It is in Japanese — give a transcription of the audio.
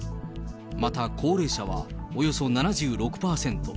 また高齢者はおよそ７６％。